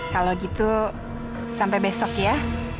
kalau gitu sampai besok ya